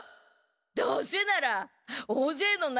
どうせならおおぜいのな